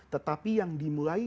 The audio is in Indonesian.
tetapi yang dimulai